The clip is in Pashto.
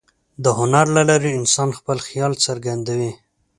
د هنر له لارې انسان خپل خیال څرګندوي.